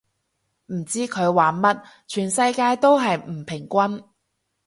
唔知佢玩乜，全世界都係唔平均